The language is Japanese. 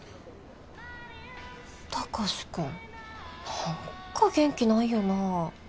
貴司君何か元気ないよな？